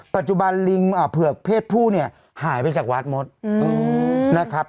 ปัจจุบันลิงเผือกเพศผู้เนี่ยหายไปจากวัดหมดนะครับ